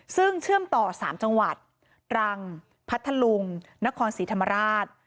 ซึ่งเชื่อมต่อ๓จังหวัดตรังพัทธลุงนครศรีธรรมราช